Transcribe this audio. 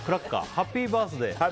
ハッピーバースデー。